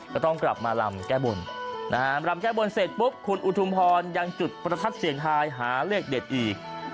ก็ต้องกลับมาลำแก้บนนะฮะลำแก้บนเสร็จปุ๊บคุณอุทุมพรยังจุดประทัดเสียงทายหาเลขเด็ดอีก